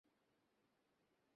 শব্দটা আমি শুনেছি, ওকে?